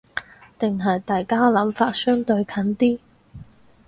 定係大家諗法相對近啲